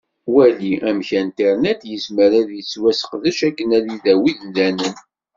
Wali amek Internet yezmer ad yettwaseqdec akken ad idawi imdanen.